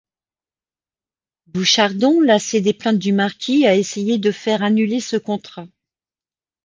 Bouchardon lassé des plaintes du marquis a essayé de faire annuler ce contrat.